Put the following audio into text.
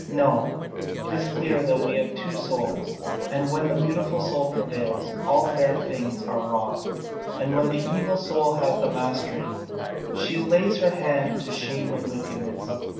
No, it is clear that we have two souls, and when the beautiful soul prevails, all fair things are wrought, and when the evil soul has the mastery, she lays her hand to shame and wickedness.